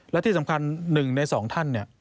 และที่สำคัญ๑ใน๒ท่านเนี่ย